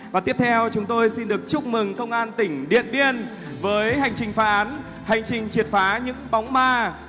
và tiếp theo chúng tôi xin được chúc mừng công an tỉnh điện biên với hành trình phá án hành trình triệt phá những bóng ma